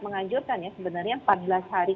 menganjurkan ya sebenarnya empat belas hari